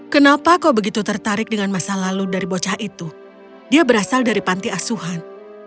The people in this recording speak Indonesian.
kenapa kau begitu tertarik dengan masa lalu dari bocah itu dia berasal dari panti asuhan